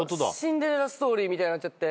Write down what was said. シンデレラストーリーみたいになっちゃって。